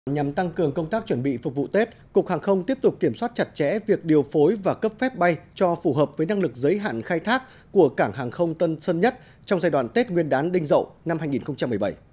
nhằm tăng cường công tác chuẩn bị phục vụ tết cục hàng không tiếp tục kiểm soát chặt chẽ việc điều phối và cấp phép bay cho phù hợp với năng lực giới hạn khai thác của cảng hàng không tân sơn nhất trong giai đoạn tết nguyên đán đinh dậu năm hai nghìn một mươi bảy